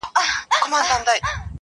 د کلاسیک او نوي شعر یو امتزاج دی